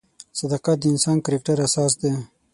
صداقت د انسان د کرکټر اساس دی.